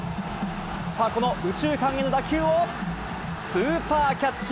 さあ、この右中間への打球をスーパーキャッチ。